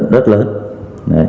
rất đơn giản